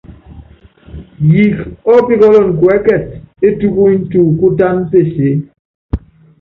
Yiik ɔ́píkɔ́lɔn kuɛ́kɛt é tubuny tuukútán pesée.